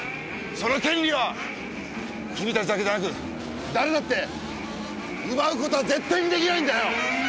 その権利は君たちだけじゃなく誰だって奪う事は絶対に出来ないんだよ！